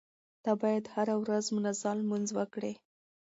ته بايد هره ورځ منظم لمونځ وکړې.